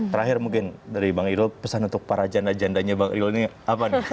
terakhir mungkin dari bang irul pesan untuk para janda jandanya bang ril ini apa nih